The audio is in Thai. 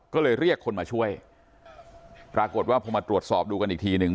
ก็เลยเรียกคนมาช่วยปรากฏว่าพอมาตรวจสอบดูกันอีกทีหนึ่ง